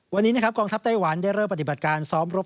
วันนี้นะครับกองทัพไต้หวันได้เริ่มปฏิบัติการซ้อมรบ